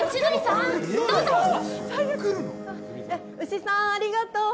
牛さんありがとう。